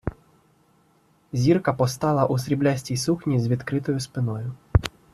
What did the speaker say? Зірка постала у сріблястій сукні з відкритою спиною.